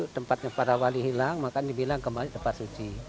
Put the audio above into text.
tempatnya para wali hilang maka dibilang kembali tempat suci